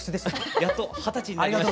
やっと二十歳になりました。